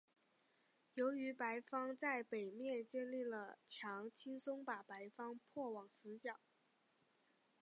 由于白方在北面建立了墙轻松把白方迫往死角。